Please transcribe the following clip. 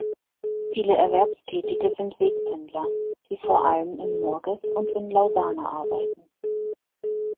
Viele Erwerbstätige sind Wegpendler, die vor allem in Morges und in Lausanne arbeiten.